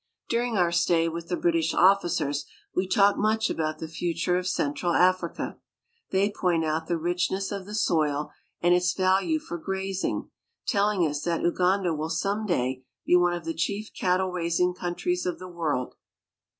During our stay with the British officers we talk much about the future of central Africa. They point out the richness of the soil and its value for grazing, telling us that Uganda will some day be one of the chief cattle raising countries of the world.